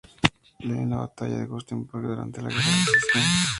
Lee en la batalla de Gettysburg durante la Guerra de Secesión.